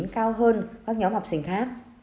cao hơn các nhóm học sinh khác